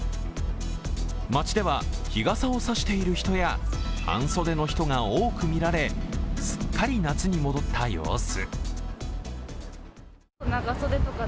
街では日傘を差している人や半袖の人が多く見られすっかり夏に戻った様子。